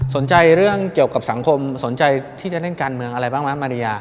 สนใจเรื่องเกี่ยวกับสังคมสนใจที่จะเล่นการเมืองอะไรบ้างไหมมาริยา